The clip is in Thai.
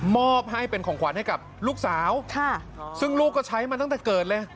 มอบให้เป็นของขวัญให้กับลูกสาวซึ่งลูกก็ใช้มาตั้งแต่เกิดเลย